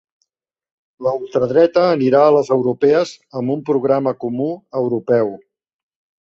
La ultradreta anirà a les europees amb un programa comú europeu